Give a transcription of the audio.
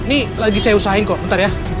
ini lagi saya usahain kok ntar ya